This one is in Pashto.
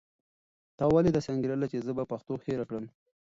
تا ولې داسې انګېرله چې زه به پښتو هېره کړم؟